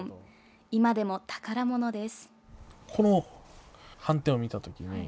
今でも宝物です。